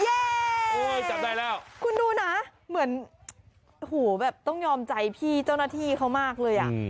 เย้คุณดูนะเหมือนโหแบบต้องยอมใจพี่เจ้าหน้าที่เขามากเลย